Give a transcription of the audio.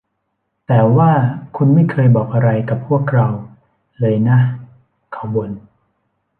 แต่ว่าคุณไม่เคยบอกอะไรกับพวกเราเลยนะ เขาบ่น